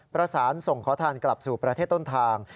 ประสานส่งขอทานกลับสู่ประเทศต้นทาง